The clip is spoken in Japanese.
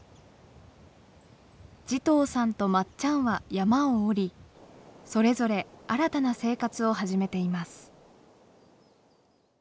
慈瞳さんとまっちゃんは山を下りそれぞれ新たな生活を始めています。